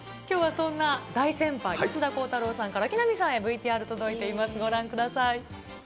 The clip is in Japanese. きょうはそんな大先輩、吉田鋼太郎さんから、木南さんへ、ＶＴＲ届いています。